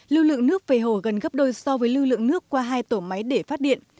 lưu lượng nước về hồ gần gấp đôi so với lưu lượng nước qua hai tổ máy để phát điện